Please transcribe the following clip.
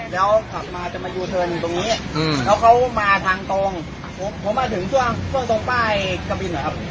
แล้วขับมาจะมายูเทิร์นอยู่ตรงนี้แล้วเขามาทางตรงผมมาถึงช่วงช่วงตรงป้ายกะบินเหรอครับ